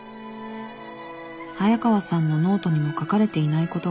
早川さんのノートにも書かれていないことがある。